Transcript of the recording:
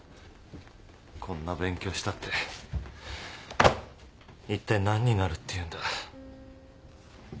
こんな勉強したって一体何になるっていうんだ。